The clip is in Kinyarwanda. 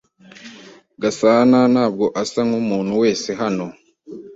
Gasanantabwo asa nkumuntu wese hano.